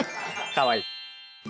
かわいい。